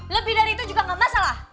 lebih dari itu juga nggak masalah